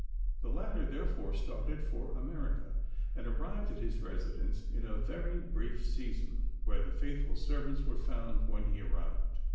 The latter, therefore, started for America, and arrived at his residence in a very brief season, where the faithful servants were found when he arrived.